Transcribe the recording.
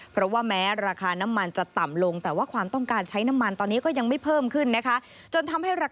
เพราะว่าแม้ราคาน้ำมันจะต่ำลงแต่ว่าความต้องการใช้น้ำมันตอนนี้ก็ยังไม่เพิ่มขึ้นนะคะ